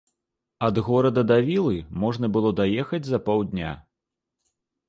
Ад горада да вілы можна было даехаць за паўдня.